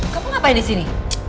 kamu ngapain disini